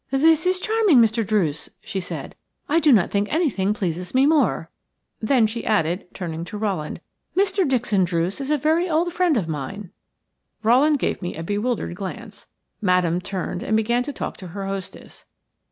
"This is charming, Mr. Druce," she said. "I do not think anything pleases me more." Then she added, turning to Rowland, "Mr. Dixon Druce is a very old friend of mine." Rowland gave me a bewildered glance. Madame turned and began to talk to her hostess.